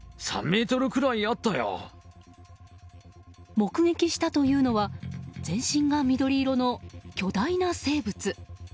目撃したというのは全身が緑色の巨大な生物。